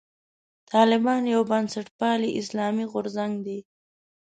طالبان یو بنسټپالی اسلامي غورځنګ دی.